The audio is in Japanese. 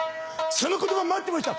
「その言葉待ってました！